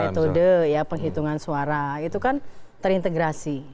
metode ya penghitungan suara itu kan terintegrasi